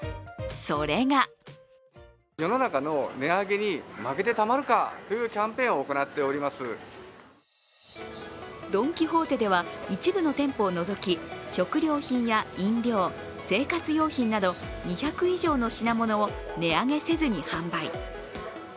それがドン・キホーテでは一部の店舗を除き、食料品や飲料、生活用品など、２００以上の品物を値上げせずに販売。